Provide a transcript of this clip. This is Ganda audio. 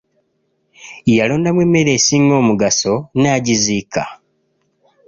Yalondamu emmere esinga omugaso n'agiziika.